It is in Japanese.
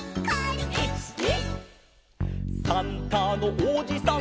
「１２」「サンタのおじさん」